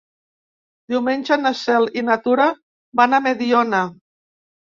Diumenge na Cel i na Tura van a Mediona.